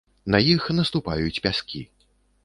На іх наступаюць пяскі.